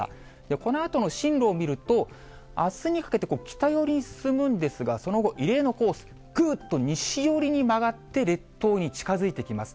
このあとの進路を見ると、あすにかけて北寄りに進むんですが、その後、異例のコース、ぐっと西寄りに曲がって列島に近づいてきます。